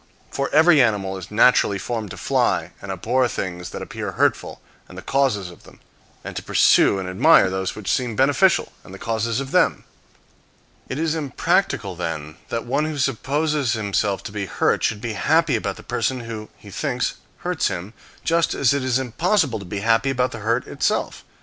For every animal is naturally formed to fly and abhor things that appear hurtful, and the causes of them; and to pursue and admire those which appear beneficial, and the causes of them. It is impractical, then, that one who supposes himself to be hurt should be happy about the person who, he thinks, hurts him, just as it is impossible to be happy about the hurt itself.